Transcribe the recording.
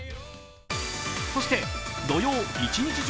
そして土曜、一日中